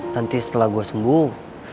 nanti setelah gue sembuh